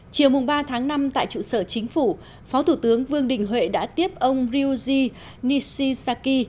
chiều ba tháng năm tại trụ sở chính phủ phó thủ tướng vương đình huệ đã tiếp ông ryuji nishisaki